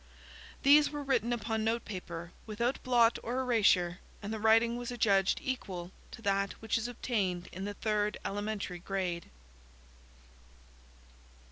These were written upon note paper without blot or erasure and the writing was adjudged equal to that which is obtained in the third elementary grade.